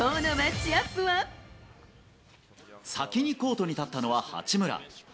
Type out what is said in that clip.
先にコートに立ったのは八村。